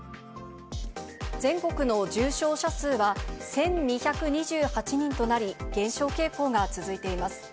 全国の重症者数は１２２８人となり、減少傾向が続いています。